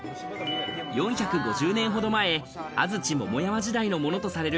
４５０年ほど前、安土桃山時代のものとされる